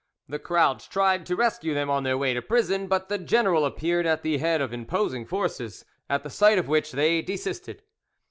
The crowds tried to rescue them on their way to prison, but the general appeared at the head of imposing forces, at the sight of which they desisted.